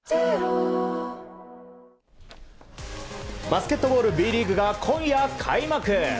バスケットボールＢリーグが今夜、開幕。